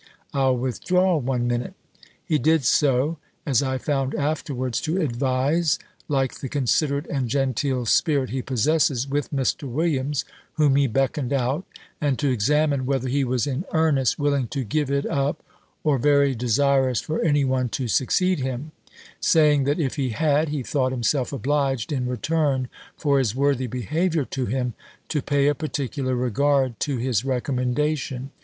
I'll withdraw one minute." He did so, as I found afterwards to advise, like the considerate and genteel spirit he possesses, with Mr. Williams, whom he beckoned out, and to examine whether he was in earnest willing to give it up, or very desirous for any one to succeed him; saying, that if he had, he thought himself obliged, in return for his worthy behaviour to him, to pay a particular regard to his recommendation.